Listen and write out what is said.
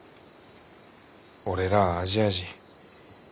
俺らあアジア人。